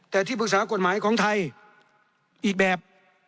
แต่ที่ปรึกษากฎหมายของไทยอีกแบบ